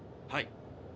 はい。